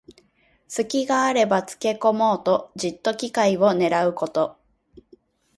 すきがあればつけこもうと、じっと機会をねらうこと。